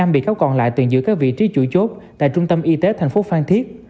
năm bị cáo còn lại tuyển giữ các vị trí chủi chốt tại trung tâm y tế tp phan thiết